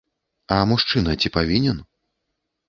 А мужчына ці павінен?